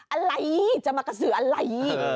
อะไรจมักกระซื้ออะไร